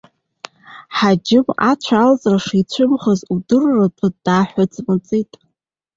Ҳаџьым ацәа алҵра шицәымӷыз удырратәа дааҳәцымцит.